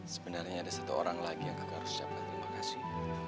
sebenarnya ada satu orang lagi yang aku harus ucapkan terima kasih